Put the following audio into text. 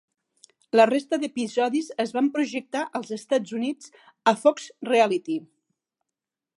La resta d'episodis es van projectar als Estats Units a Fox Reality .